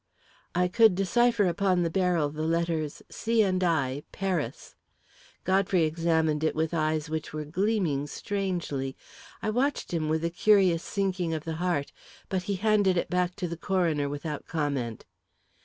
I could decipher upon the barrel the letters "C & I, Paris." Godfrey examined it with eyes which were gleaming strangely. I watched him with a curious sinking of the heart, but he handed it back to the coroner without comment.